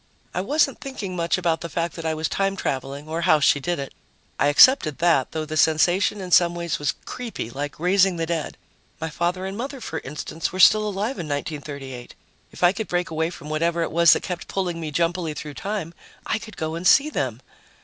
I wasn't thinking much about the fact that I was time traveling or how she did it; I accepted that, though the sensation in some ways was creepy, like raising the dead. My father and mother, for instance, were still alive in 1938. If I could break away from whatever it was that kept pulling me jumpily through time, I could go and see them.